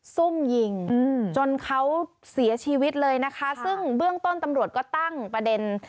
ซุ่มยิงจนเขาเสียชีวิตเลยนะคะซึ่งเบื้องต้นตำรวจก็ตั้งประเด็น